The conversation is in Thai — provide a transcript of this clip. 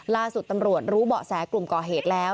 ล่าสุดตำรวจรู้เบาะแสกลุ่มก่อเหตุแล้ว